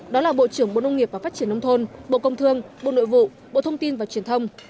đó là bộ trưởng bộ nông nghiệp và phát triển nông thôn bộ công thương bộ nội vụ bộ thông tin và truyền thông